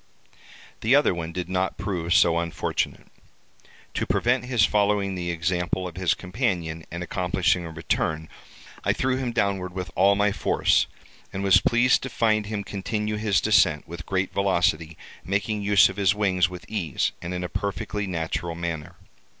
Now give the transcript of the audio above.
The other one did not prove so unfortunate. To prevent his following the example of his companion, and accomplishing a return, I threw him downward with all my force, and was pleased to find him continue his descent, with great velocity, making use of his wings with ease, and in a perfectly natural manner.